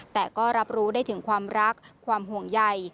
แต่ก็รับรู้ได้ถึงความรักความห่วงใย